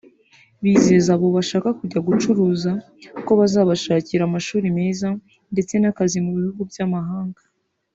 Bizeza abo bashaka kujya gucuruza ko bazabashakira amashuri meza ndetse n’akazi mu bihugu by’amahanga